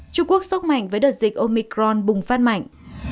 trung quốc sốc mạnh với đợt dịch omicron bùng phát mạnh